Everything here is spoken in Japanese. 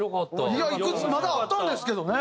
いやいくつまだあったんですけどね。